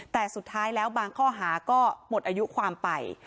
แต่สุดท้ายแล้วบางข้อหาก็หมดอายุความไป